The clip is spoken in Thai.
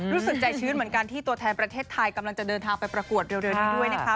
รู้สึกใจชื้นเหมือนกันที่ตัวแทนประเทศไทยกำลังจะเดินทางไปประกวดเร็วนี้ด้วยนะคะ